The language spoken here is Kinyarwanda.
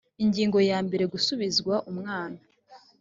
ingingo ya mbere gusubizwa umwana